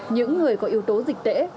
những người có yếu tố dịch tễ